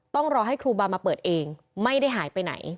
ต้องรอให้ครูบามาเปิดเองไม่ได้หายไปไหน